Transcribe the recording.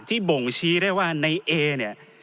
บ่งชี้ได้ว่าในเอเนี่ย